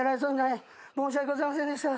申し訳ございませんでした。